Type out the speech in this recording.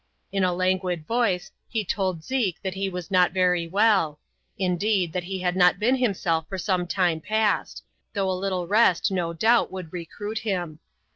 In a languid voice, he told Zeke, that he was not very well : indeed, that he had not been himself for some time past ; though a little rest, no doubt, would recruit him.